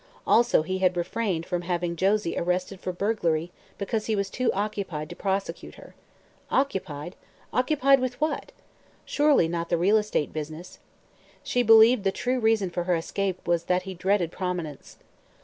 Also he had refrained from having Josie arrested for burglary because he was "too occupied to prosecute her." Occupied? Occupied with what? Surely not the real estate business. She believed the true reason for her escape was that he dreaded prominence.